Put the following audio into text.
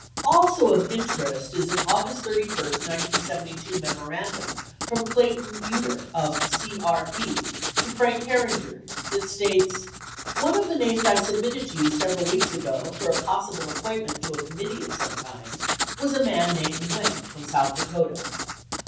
7 Also of interest is an August 31, 1972, memorandum from Clayton Yeutter of CEP to Frank Herringer, 8 that states :... ne of the names I submitted to you several weeks ago for a possible appointment to a committee of some kind was a man named Wenk from South Dakota.